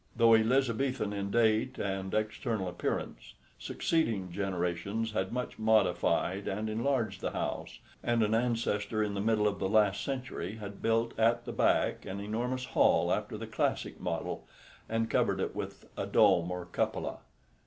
Though Elizabethan in date and external appearance, succeeding generations had much modified and enlarged the house; and an ancestor in the middle of the last century had built at the back an enormous hall after the classic model, and covered it with a dome or cupola.